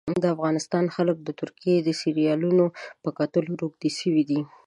د افغانستان خلک د ترکي سیریالونو په کتلو روږدي سوي دي